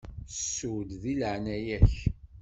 Ssu-d, deg leɛnaya-k.